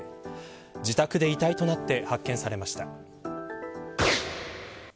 自宅で遺体となって発見されました。